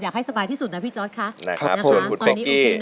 อยากให้สบายที่สุดนะพี่จอร์ตค่ะ